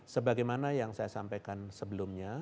sebagaimana yang saya sampaikan sebelumnya